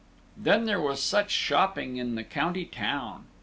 Then there was such shopping in the county town!